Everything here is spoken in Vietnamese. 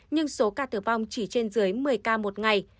nhưng số ca tử vong chỉ trên dưới một mươi ca một ngày